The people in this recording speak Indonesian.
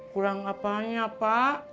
kurang apanya pak